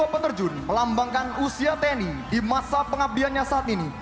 tujuh puluh dua petarjun melambangkan usia tni di masa pengabdiannya saat ini